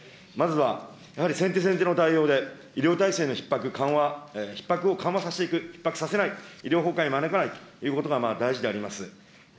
まずはやはり先手先手の対応で、医療体制のひっ迫、緩和、ひっ迫を緩和させていく、ひっ迫させない、医療崩壊を招かないということが大事であります。